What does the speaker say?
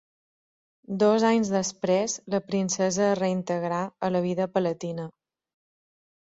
Dos anys després, la princesa es reintegrà a la vida palatina.